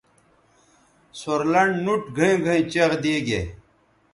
سور لنڈ نُوٹ گھئیں گھئیں چیغ دیگے